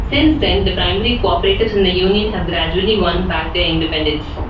Since then, the primary co-operatives and their union have gradually won back their independence.